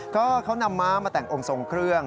ก็เขานำม้ามาแต่งองค์ทรงเครื่อง